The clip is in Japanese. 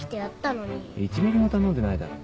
１ミリも頼んでないだろ。